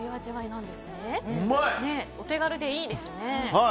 お手軽でいいですね。